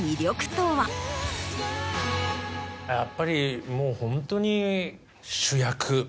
やっぱりもうホントに。